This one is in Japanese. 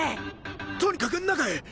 とにかく中へ。